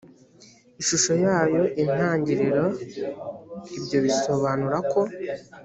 ishusho yayo intangiriro ibyo bisobanura ko